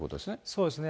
そうですね。